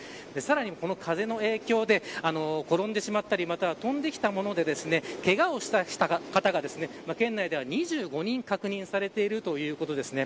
風の影響で転んでしまったり飛んできたものでけがをした方が県内では２５人確認されているということです。